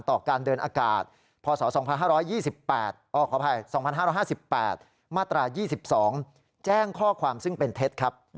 ต่อการเดินอากาศพศ๒๕๕๘ม๒๒แจ้งข้อความซึ่งเป็นเท็จครับ